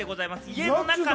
家の中の？